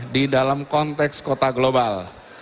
di dalam konteks kota global